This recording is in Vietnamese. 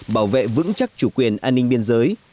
bảo vệ vững chắc chủ quyền an ninh biên giới